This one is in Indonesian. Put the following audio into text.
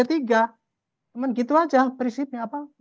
teman gitu saja prinsipnya apa